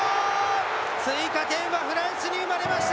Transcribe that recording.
追加点はフランスに生まれました！